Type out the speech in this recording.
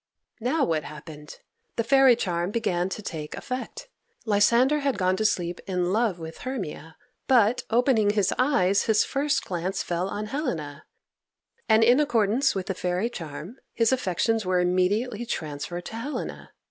] Now, what happened? The fairy charm began to take effect. Lysander had gone to sleep in love with Hermia, but, opening his eyes, his first glance fell on Helena, and, in accordance with the fairy charm, his affections were immediately transferred to Helena.